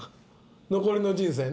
残りの人生ね。